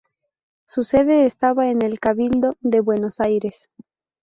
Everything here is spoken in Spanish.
Su sede estaba en el Cabildo de Buenos Aires.